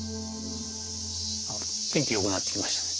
天気良くなってきましたね。